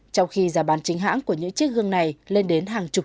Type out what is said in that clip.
trong khi giả bán chính hãng của nguyễn mạnh đức